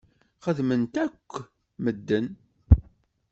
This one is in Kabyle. Xedmen-t akk medden.